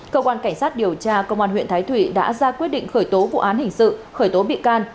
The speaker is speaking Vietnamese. cơ quan cảnh sát điều tra công an huyện thái thụy đã ra quyết định khởi tố vụ án hình sự khởi tố bị can